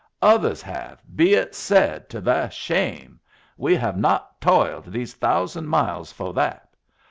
Others have, be it said to their shame. We have not toiled these thousand miles fo' that!